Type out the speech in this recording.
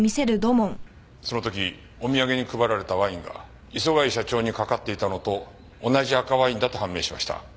その時お土産に配られたワインが磯貝社長にかかっていたのと同じ赤ワインだと判明しました。